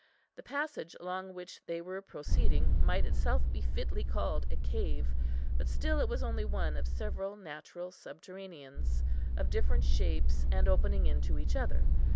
The passage along which they were proceeding might itself be fitly called a cave, but still it was only one of several natural subterraneans, of different shapes, and opening into each other.